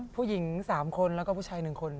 ผู้หญิง๓คนแล้วก็ผู้ชาย๑คน